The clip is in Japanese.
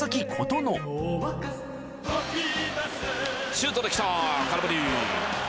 シュートで来た空振り。